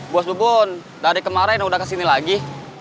buas lubun dari kemarin udah kesini lagi